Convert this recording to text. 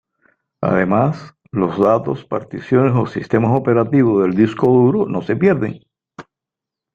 Además, los datos, particiones o sistemas operativos del disco duro no se pierden.